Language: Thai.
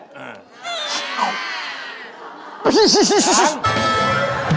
ครั้ง